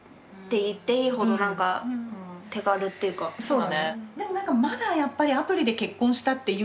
そうだね。